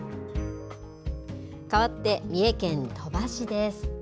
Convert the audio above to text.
かわって三重県鳥羽市です。